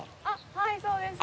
はいそうです。